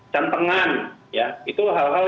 campengan ya itu hal hal